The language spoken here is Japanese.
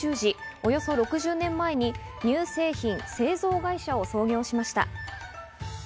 およそ６０年前に乳製品製造会社を創業しました。